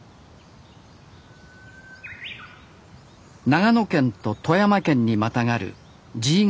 長野県と富山県にまたがる爺ヶ岳。